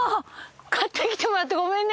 買ってきてもらってごめんね。